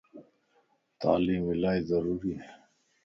تعليم الائي ضروري ا